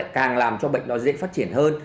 càng làm cho bệnh đó dễ phát triển hơn